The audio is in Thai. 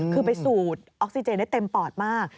คือไปสูดออกซิเจนได้เต็มปอดมาก